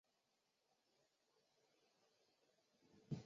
无神论者是指不相信神的人。